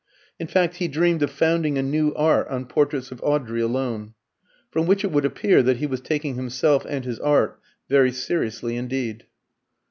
In fact, he dreamed of founding a New Art on portraits of Audrey alone. From which it would appear that he was taking himself and his art very seriously indeed.